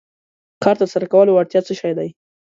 کار تر سره کولو وړتیا څه شی دی.